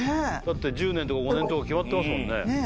１０年とか５年とか決まってますもんね。